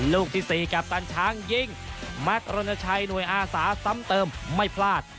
ลูกที่๔กัปตันช้างยิงแมทรณชัยหน่วยอาสาซ้ำเติมไม่พลาด